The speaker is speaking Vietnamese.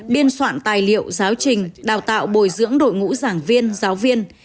biên soạn tài liệu giáo trình đào tạo bồi dưỡng đội ngũ giảng viên giáo viên